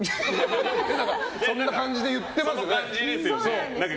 そんな感じで言ってますね。